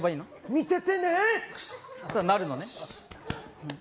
見ててねなるのね？